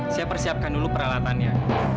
saya persiapkan dulu peralatannya